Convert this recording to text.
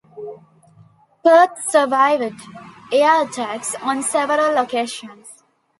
"Perth" survived air attacks on several occasions.